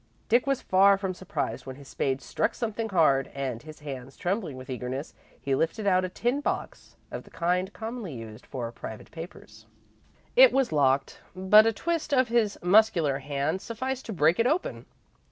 Dick was far from surprised when his spade struck something hard, and, his hands trembling with eagerness, he lifted out a tin box of the kind commonly used for private papers. It was locked, but a twist of his muscular hands sufficed to break it open.